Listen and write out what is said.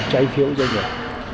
trái phiếu doanh nghiệp